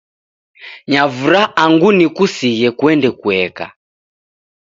Nyavura angu nikusighe kuende kueka